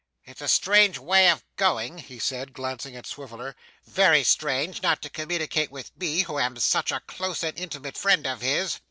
'It's a strange way of going,' he said, glancing at Swiveller, 'very strange not to communicate with me who am such a close and intimate friend of his!